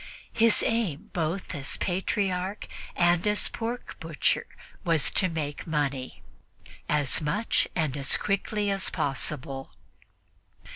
His aim both as Patriarch and as pork butcher was to make money as much and as quickly as possible.